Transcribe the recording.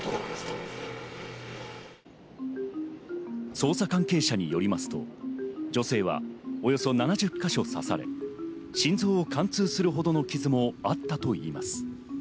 捜査関係者によりますと、女性はおよそ７０か所を刺され、心臓を貫通するほどの傷もあったといいます。